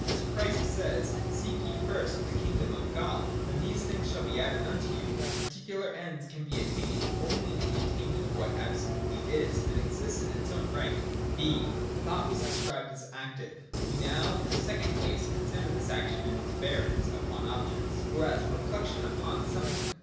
As Christ says: 'Seek ye first the kingdom of God, and all these things shall be added unto you.' Particular ends can 20 2T.J THE UNIVERSAL AS THOVGHT PRODUCT. 41 be attained only in the attainment of what absolutely is and exists in its own right. 21.] (6) Thought was described as active. We now, in the second place, consider this action in its bearings upon objects, or as reflection upon something.